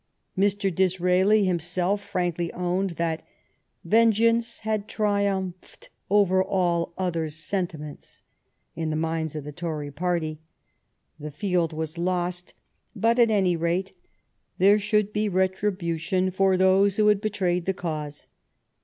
Mr. Disraeli himself frankly owned that "vengeance had tri umphed over all other sentiments " in the minds of the Tory party. The field was lost, but at any rate there should be retribution for those who had betrayed the cause.